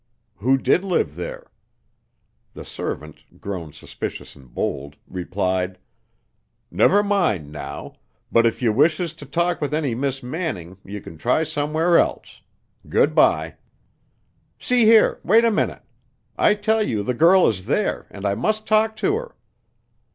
Who did live there? The servant, grown suspicious and bold, replied, "Never mind now, but if ye wishes to talk with any Miss Manning ye can try somewheres else. Good bye." "See here wait a minute. I tell you the girl is there, and I must talk to her."